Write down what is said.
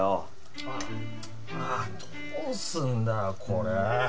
ああどうすんだよこれ！